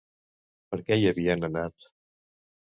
Per què hi havien anat?